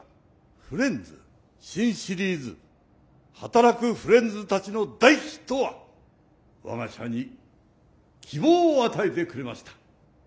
フレンズ新シリーズ「はたらくフレンズたち」の大ヒットは我が社に希望を与えてくれました。